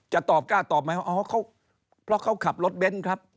จะตอบกล้าตอบไหมอ๋อเพราะเขาขับรถเบ้นครับ